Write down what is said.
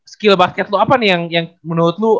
skill basket lu apa nih yang menurut lu